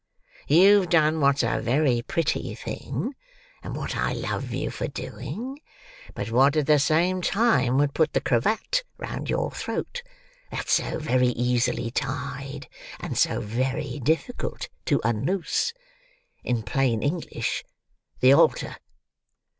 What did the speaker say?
You've done what's a very pretty thing, and what I love you for doing; but what at the same time would put the cravat round your throat, that's so very easily tied and so very difficult to unloose—in plain English, the halter!"